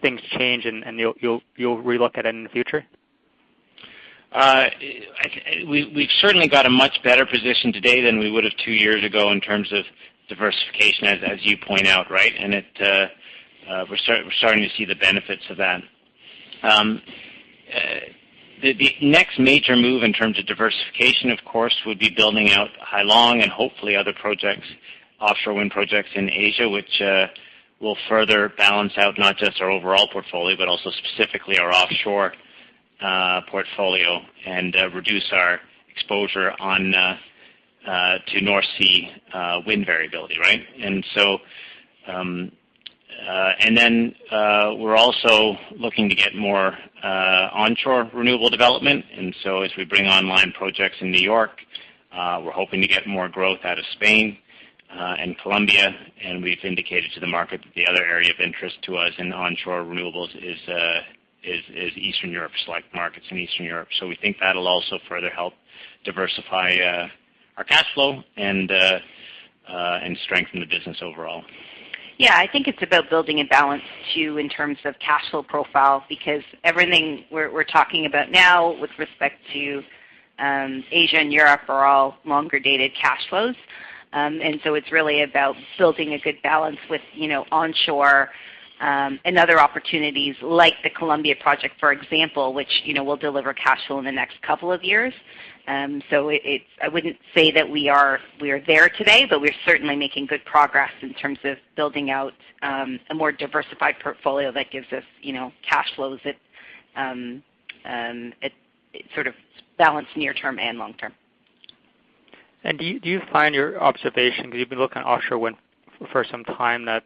things change, and you'll relook at it in the future? We've certainly got a much better position today than we would have two years ago in terms of diversification, as you point out, right? We're starting to see the benefits of that. The next major move in terms of diversification, of course, would be building out Hai Long and hopefully other projects, offshore wind projects in Asia, which will further balance out not just our overall portfolio, but also specifically our offshore portfolio and reduce our exposure to North Sea wind variability, right? We're also looking to get more onshore renewable development. As we bring online projects in New York, we're hoping to get more growth out of Spain and Colombia. We've indicated to the market that the other area of interest to us in onshore renewables is Eastern Europe, select markets in Eastern Europe. We think that'll also further help diversify our cash flow and strengthen the business overall. Yeah, I think it's about building a balance too in terms of cash flow profile, because everything we're talking about now with respect to Asia and Europe are all longer-dated cash flows. It's really about building a good balance with, you know, onshore and other opportunities like the Colombia project, for example, which, you know, will deliver cash flow in the next couple of years. I wouldn't say that we are there today, but we're certainly making good progress in terms of building out a more diversified portfolio that gives us, you know, cash flows that it sort of balance near term and long term. Do you find your observation, because you've been looking at offshore wind for some time, that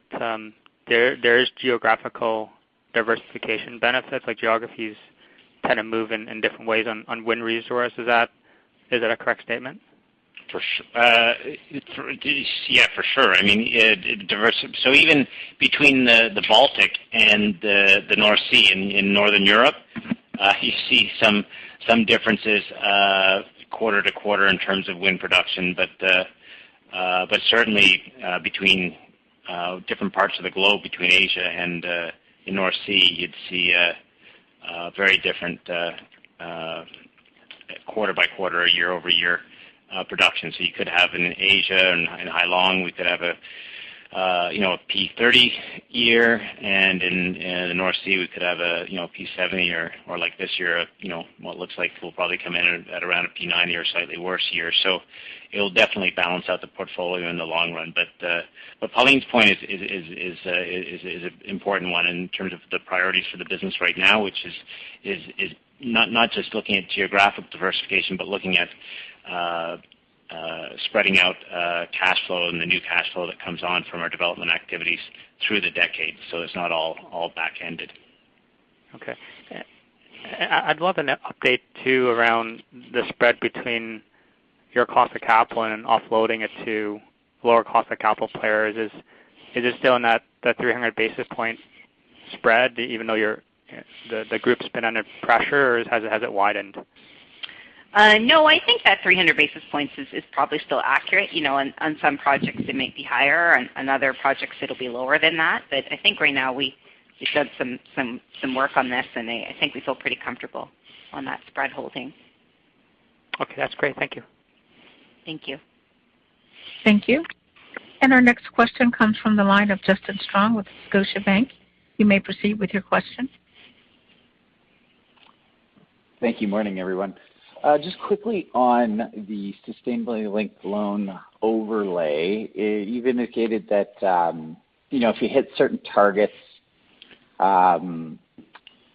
there is geographical diversification benefits, like geographies kind of move in different ways on wind resources? Is that a correct statement? Yeah, for sure. I mean, it diversifies. Even between the Baltic and the North Sea in Northern Europe, you see some differences quarter-over-quarter in terms of wind production. Certainly between different parts of the globe, between Asia and the North Sea, you'd see a very different quarter-over-quarter or year-over-year production. You could have in Asia, in Hai Long, we could have a, you know, a P30 year, and in the North Sea, we could have a, you know, P70 year or like this year, you know, what looks like we'll probably come in at around a P90 or slightly worse year. It'll definitely balance out the portfolio in the long run. Pauline's point is an important one in terms of the priorities for the business right now, which is not just looking at geographic diversification, but looking at spreading out cash flow and the new cash flow that comes on from our development activities through the decade. It's not all back-ended. Okay. I'd love an update too around the spread between your cost of capital and offloading it to lower cost of capital players. Is it still in that 300 basis point spread, even though the group's been under pressure, or has it widened? No, I think that 300 basis points is probably still accurate. You know, on some projects it may be higher, on other projects it'll be lower than that. I think right now we've done some work on this, and I think we feel pretty comfortable on that spread holding. Okay, that's great. Thank you. Thank you. Thank you. Our next question comes from the line of Justin Strong with Scotiabank. You may proceed with your question. Thank you. Morning, everyone. Just quickly on the sustainability-linked loan overlay, you've indicated that, you know, if you hit certain targets,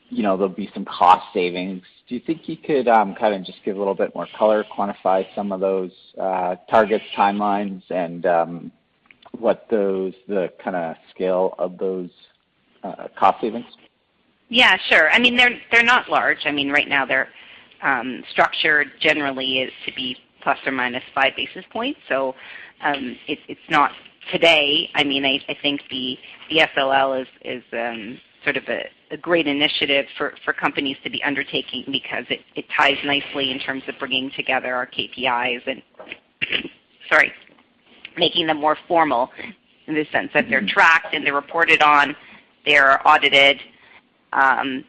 you know, there'll be some cost savings. Do you think you could, kind of just give a little bit more color, quantify some of those targets, timelines, and what the kind of scale of those cost savings? Yeah, sure. I mean, they're not large. I mean, right now, their structure generally is to be plus or minus five basis points. It's not today. I mean, I think the SLL is sort of a great initiative for companies to be undertaking because it ties nicely in terms of bringing together our KPIs and, sorry, making them more formal in the sense that they're tracked and they're reported on, they're audited, and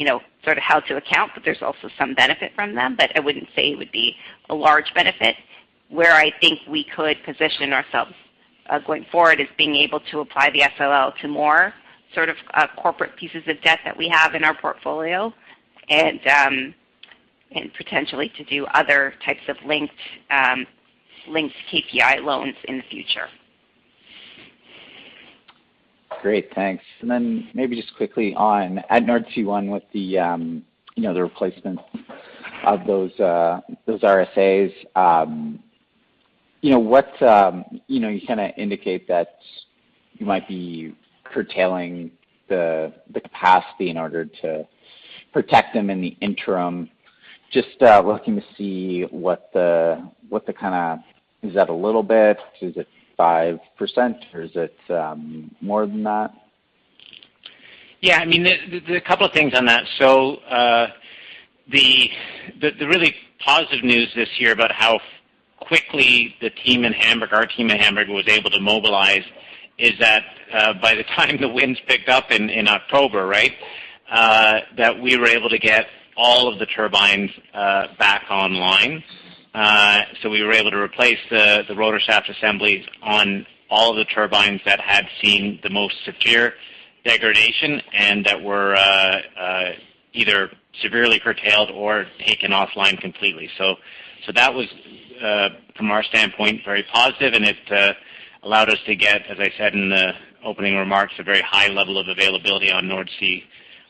you know, sort of how to account, but there's also some benefit from them, but I wouldn't say it would be a large benefit. Where I think we could position ourselves going forward is being able to apply the SLL to more sort of corporate pieces of debt that we have in our portfolio and potentially to do other types of linked KPI loans in the future. Great. Thanks. Then maybe just quickly on, at Nordsee One with the, you know, the replacement of those RSAs, you know, what, you know, you kinda indicate that you might be curtailing the capacity in order to protect them in the interim. Just looking to see what the kinda is that a little bit? Is it 5%, or is it more than that? Yeah. I mean, there's a couple of things on that. The really positive news this year about how quickly the team in Hamburg, our team in Hamburg, was able to mobilize is that by the time the winds picked up in October, right, that we were able to get all of the turbines back online. We were able to replace the rotor shaft assemblies on all of the turbines that had seen the most severe degradation and that were either severely curtailed or taken offline completely. That was, from our standpoint, very positive, and it allowed us to get, as I said in the opening remarks, a very high level of availability on Nordsee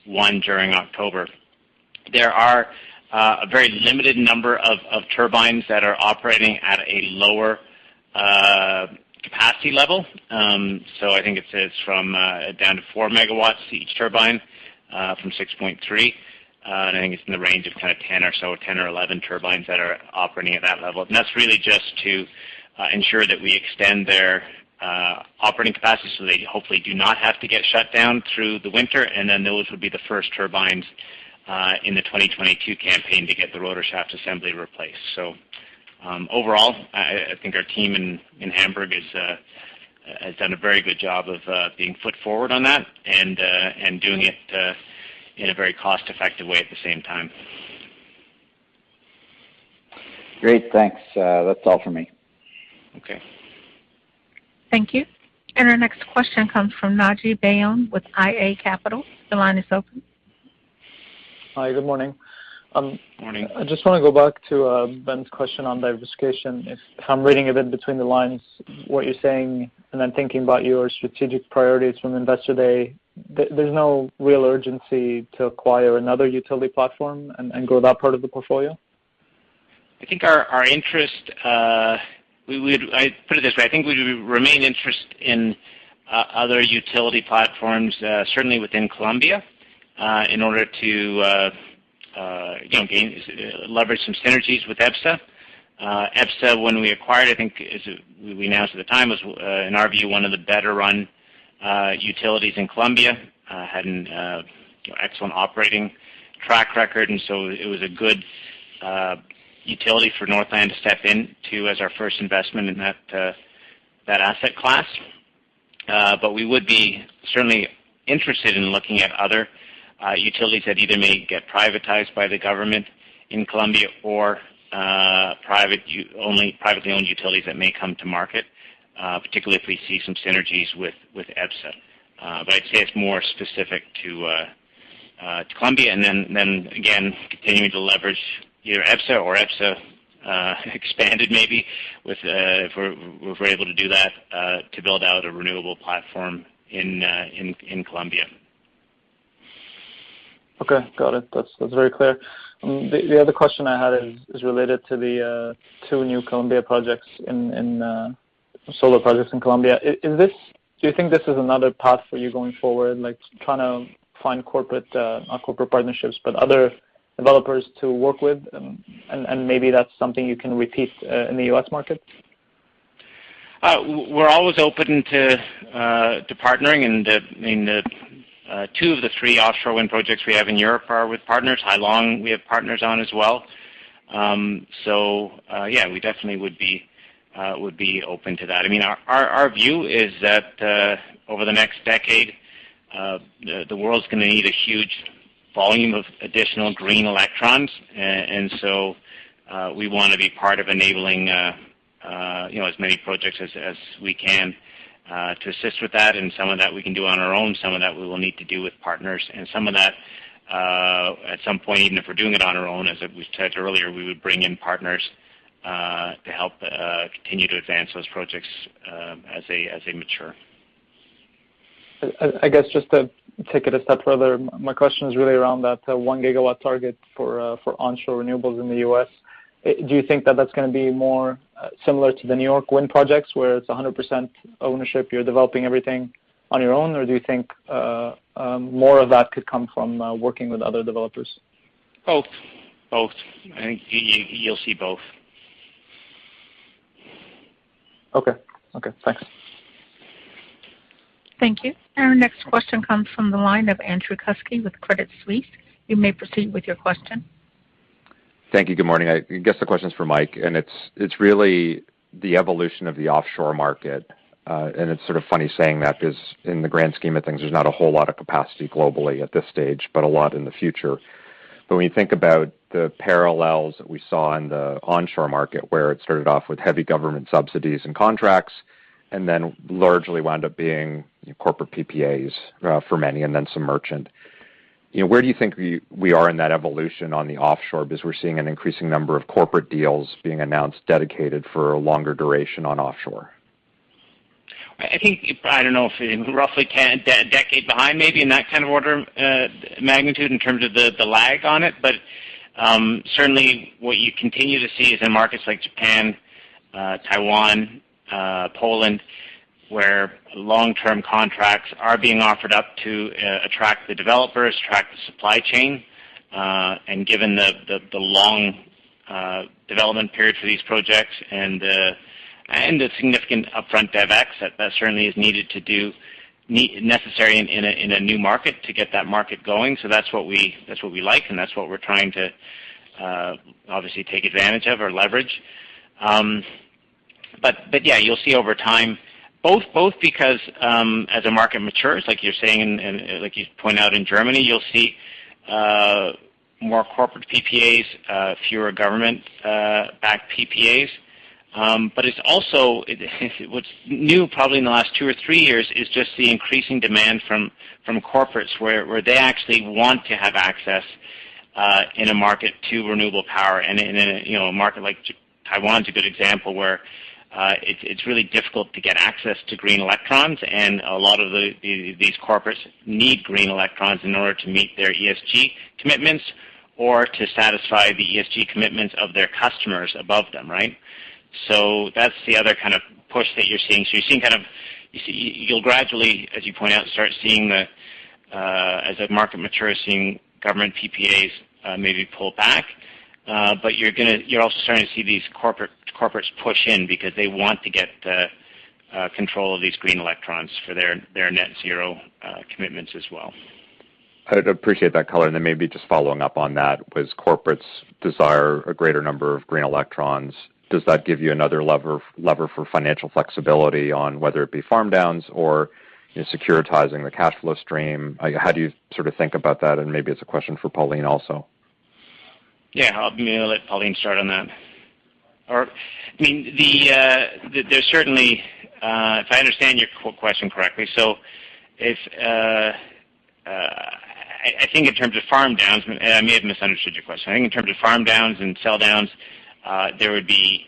One during October. There are a very limited number of turbines that are operating at a lower capacity level. I think it's from down to 4 MW to each turbine from 6.3. I think it's in the range of kind of 10 or so, 10 or 11 turbines that are operating at that level. That's really just to ensure that we extend their operating capacity, so they hopefully do not have to get shut down through the winter. Then those would be the first turbines in the 2022 campaign to get the rotor shaft assembly replaced. Overall, I think our team in Hamburg has done a very good job of being foot forward on that and doing it in a very cost-effective way at the same time. Great. Thanks. That's all for me. Okay. Thank you. Our next question comes from Naji Baydoun with iA Capital. The line is open. Hi, good morning. Morning. I just wanna go back to Ben's question on diversification. If I'm reading a bit between the lines, what you're saying, and then thinking about your strategic priorities from Investor Day, there's no real urgency to acquire another utility platform and grow that part of the portfolio? I think our interest. I'd put it this way. I think we remain interested in other utility platforms, certainly within Colombia, in order to again gain leverage some synergies with EBSA. EBSA, when we acquired, I think, as we announced at the time, was, in our view, one of the better-run utilities in Colombia, had an, you know, excellent operating track record. It was a good utility for Northland to step into as our first investment in that asset class. We would be certainly interested in looking at other utilities that either may get privatized by the government in Colombia or only privately-owned utilities that may come to market, particularly if we see some synergies with EBSA. I'd say it's more specific to Colombia, and then again, continuing to leverage either EBSA or EBSA expanded maybe with, if we're able to do that, to build out a renewable platform in Colombia. Okay. Got it. That's very clear. The other question I had is related to the two new Colombia projects in solar projects in Colombia. Is this another path for you going forward, like trying to find not corporate partnerships, but other developers to work with, and maybe that's something you can repeat in the U.S. market? We're always open to partnering, and two of the three offshore wind projects we have in Europe are with partners. Hai Long we have partners on as well. Yeah, we definitely would be open to that. I mean, our view is that over the next decade, the world's gonna need a huge volume of additional green electrons. We wanna be part of enabling, you know, as many projects as we can to assist with that. Some of that we can do on our own, some of that we will need to do with partners. Some of that, at some point, even if we're doing it on our own, as we've said earlier, we would bring in partners to help continue to advance those projects, as they mature. I guess just to take it a step further, my question is really around that 1 GW target for onshore renewables in the U.S. Do you think that that's gonna be more similar to the New York wind projects, where it's 100% ownership, you're developing everything on your own, or do you think more of that could come from working with other developers? Both. I think you'll see both. Okay. Okay, thanks. Thank you. Our next question comes from the line of Andrew Kuske with Credit Suisse. You may proceed with your question. Thank you. Good morning. I guess the question is for Mike, and it's really the evolution of the offshore market. It's sort of funny saying that because in the grand scheme of things, there's not a whole lot of capacity globally at this stage, but a lot in the future. When you think about the parallels that we saw in the onshore market, where it started off with heavy government subsidies and contracts, and then largely wound up being corporate PPAs, for many, and then some merchant. You know, where do you think we are in that evolution on the offshore? Because we're seeing an increasing number of corporate deals being announced, dedicated for a longer duration on offshore. I think I don't know if roughly a decade behind maybe in that kind of order of magnitude in terms of the lag on it. Certainly what you continue to see is in markets like Japan, Taiwan, Poland, where long-term contracts are being offered up to attract the developers, attract the supply chain, and given the long development period for these projects and a significant upfront CapEx that certainly is needed, necessary in a new market to get that market going. That's what we like, and that's what we're trying to obviously take advantage of or leverage. Yeah, you'll see over time, both because as the market matures, like you're saying, and like you point out in Germany, you'll see more corporate PPAs, fewer government backed PPAs. It's also what's new probably in the last two or three years is just the increasing demand from corporates where they actually want to have access in a market to renewable power. In a, you know, a market like Taiwan is a good example where it's really difficult to get access to green electrons, and these corporates need green electrons in order to meet their ESG commitments or to satisfy the ESG commitments of their customers above them, right? That's the other kind of push that you're seeing. You're seeing kind of. You'll gradually, as you point out, start seeing as the market matures, seeing government PPAs, maybe pull back. You're also starting to see these corporates push in because they want to get the control of these green electrons for their net zero commitments as well. I appreciate that color. Then maybe just following up on that, with corporates desire a greater number of green electrons, does that give you another lever for financial flexibility on whether it be farm downs or, you know, securitizing the cash flow stream? How do you sort of think about that? Maybe it's a question for Pauline also. Yeah. I'll maybe let Pauline start on that. There's certainly if I understand your question correctly. I think in terms of farm downs, and I may have misunderstood your question. I think in terms of farm downs and sell downs, there would be.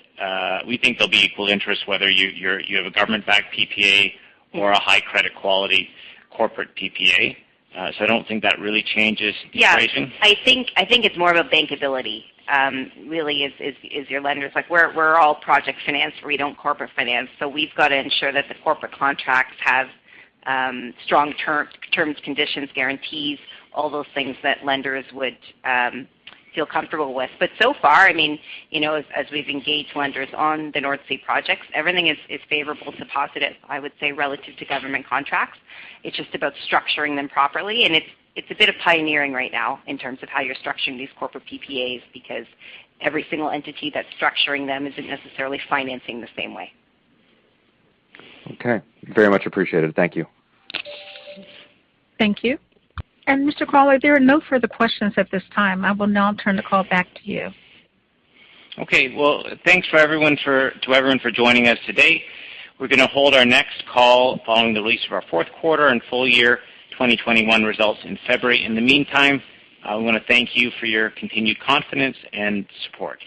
We think there'll be equal interest whether you have a government-backed PPA or a high credit quality corporate PPA. So I don't think that really changes the equation. Yeah. I think it's more of a bankability, really is your lenders. Like, we're all project finance. We don't corporate finance. So we've got to ensure that the corporate contracts have strong terms, conditions, guarantees, all those things that lenders would feel comfortable with. But so far, I mean, you know, as we've engaged lenders on the North Sea projects, everything is favorable to positive, I would say, relative to government contracts. It's just about structuring them properly. It's a bit of pioneering right now in terms of how you're structuring these corporate PPAs, because every single entity that's structuring them isn't necessarily financing the same way. Okay. Very much appreciated. Thank you. Thank you. Mr. Crawley, there are no further questions at this time. I will now turn the call back to you. Well, thanks to everyone for joining us today. We're gonna hold our next call following the release of our fourth quarter and full year 2021 results in February. In the meantime, I wanna thank you for your continued confidence and support.